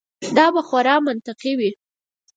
دا به خورا منطقي وي.